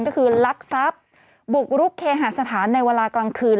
ก็คือลักทรัพย์บุกรุกเคหาสถานในเวลากลางคืน